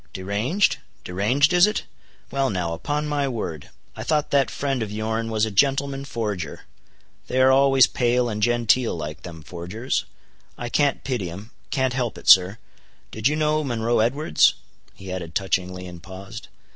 "Deranged? deranged is it? Well now, upon my word, I thought that friend of yourn was a gentleman forger; they are always pale and genteel like, them forgers. I can't pity'em—can't help it, sir. Did you know Monroe Edwards?" he added touchingly, and paused.